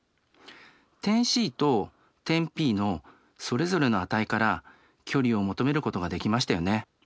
点Ｃと点Ｐのそれぞれの値から距離を求めることができましたよね。